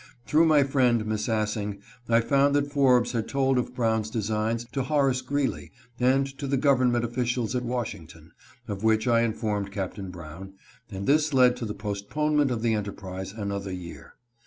Through my friend Miss Assing, I found that Forbes had told of Brown's designs to Horace Greeley, and to the government officials at Washington, of which I informed Captain Brown, and this led to the postponement of the enterprise another year.